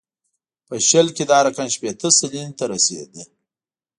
په شل کې دا رقم شپېته سلنې ته رسېده.